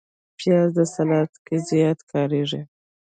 پیاز په سلاد کې زیات کارېږي